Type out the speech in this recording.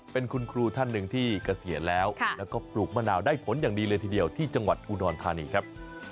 เป็นคุณครูท่านหนึ่งที่เกษียณแล้วแล้วก็ปลูกมะนาวได้ผลอย่างดีเลยทีเดียวที่จังหวัดอุดรธานีครับ